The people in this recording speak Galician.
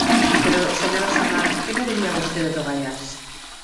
Pero, señora Samar, ¿que me diría vostede do Gaiás?